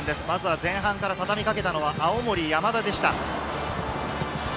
まず前半から畳みかけたのは青森山田でした。